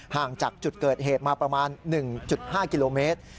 ห่างจากจุดเกิดเหตุมาประมาณ๑๕กิโลเมตร